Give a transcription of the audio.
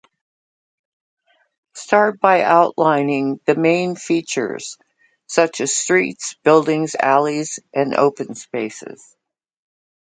Start by outlining the main features such as streets, buildings, alleys, and open spaces.